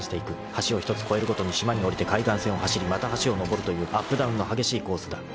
［橋を１つ越えるごとに島に降りて海岸線を走りまた橋を上るというアップダウンの激しいコースだ］